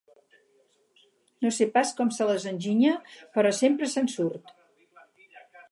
No sé pas com se les enginya, però sempre se'n surt.